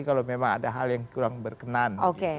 kalau memang ada hal yang kurang berkenan